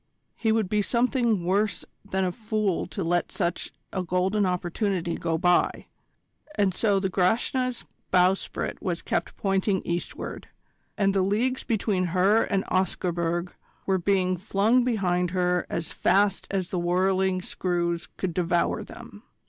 He would be something worse than a fool to let such a golden opportunity go by and so the Grashna's bowsprit was kept pointing eastward, and the leagues between her and Oscarburg were being flung behind her as fast as the whirling screws could devour them.